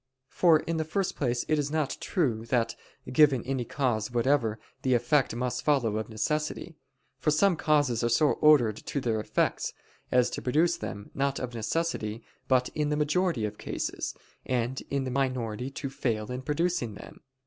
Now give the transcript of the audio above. For in the first place it is not true that, given any cause whatever, the effect must follow of necessity. For some causes are so ordered to their effects, as to produce them, not of necessity, but in the majority of cases, and in the minority to fail in producing them.